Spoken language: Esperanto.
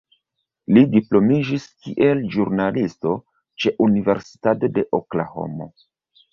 Li diplomiĝis kiel ĵurnalisto ĉe Universitato de Oklahomo.